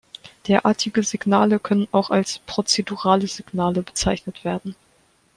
Derartige Signale können auch als "prozedurale Signale" bezeichnet werden.